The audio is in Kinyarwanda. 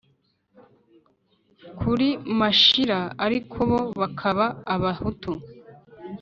kuri mashira, ariko bo bakaba abahutu.